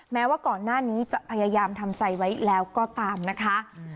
แม้ว่าก่อนหน้านี้จะพยายามทำใจไว้แล้วก็ตามนะคะ